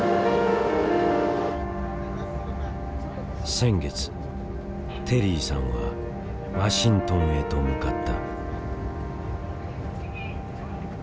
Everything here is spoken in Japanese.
先月テリーさんはワシントンへと向かった。